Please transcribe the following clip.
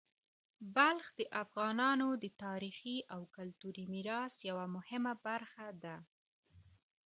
بلخ د افغانانو د تاریخي او کلتوري میراث یوه مهمه برخه ده.